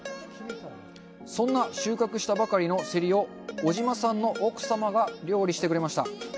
そんな収穫したばかりのせりを小島さんの奥さんが料理してくれました。